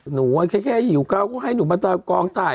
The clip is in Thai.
หนูแค่หิวข้าวก็ให้หนูมาเติบกองไต